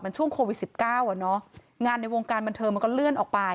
มันช่วงโควิดสิบเก้าอ่ะเนอะงานในวงการบรรเทิมมันก็เลื่อนออกไป